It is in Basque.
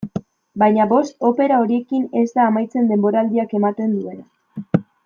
Baina bost opera horiekin ez da amaitzen denboraldiak ematen duena.